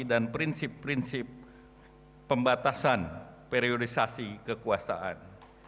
dan prinsip prinsip pembatasan periodisasi kekuasaan